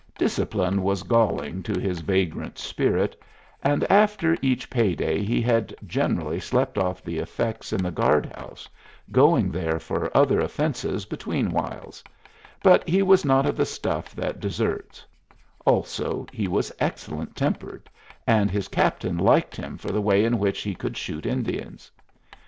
Discipline was galling to his vagrant spirit, and after each pay day he had generally slept off the effects in the guard house, going there for other offences between whiles; but he was not of the stuff that deserts; also, he was excellent tempered, and his captain liked him for the way in which he could shoot Indians.